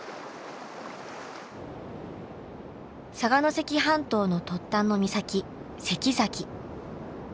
佐賀関半島の突端の岬関崎。